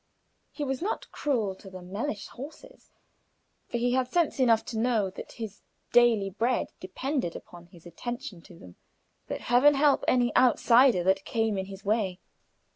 He was not cruel to the Mellish horses, for he had sense enough to know that his daily bread depended upon his attention to them; but Heaven help any outsider that came in his way.